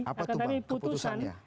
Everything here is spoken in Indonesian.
apa itu pak keputusan ya